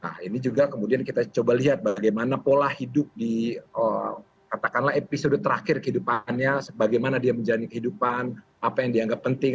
nah ini juga kemudian kita coba lihat bagaimana pola hidup di katakanlah episode terakhir kehidupannya bagaimana dia menjalani kehidupan apa yang dianggap penting